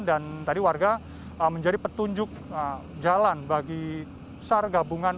dan tadi warga menjadi petunjuk jalan bagi sar gabungan